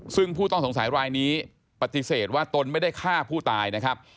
ซึ่งผู้ต้องสงสัยรายนี้ปฏิเสธว่าตนไม่ได้ฆ่าผู้ตายนะครับ